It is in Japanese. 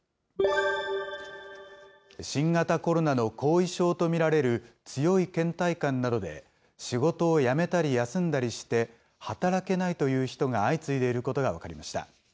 新型コロナの後遺症と見られる強いけん怠感などで、仕事を辞めたり休んだりして、働けないという人が相次いでいることが分かりました。